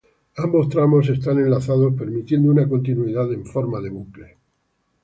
Ambos tramos están enlazados permitiendo una continuidad en forma de bucle.